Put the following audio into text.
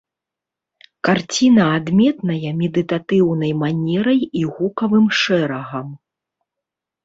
Карціна адметная медытатыўнай манерай і гукавым шэрагам.